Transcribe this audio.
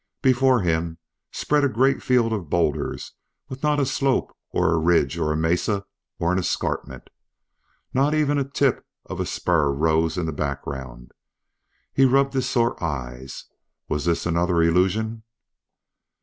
Before him spread a great field of bowlders with not a slope or a ridge or a mesa or an escarpment. Not even a tip of a spur rose in the background. He rubbed his sore eyes. Was this another illusion?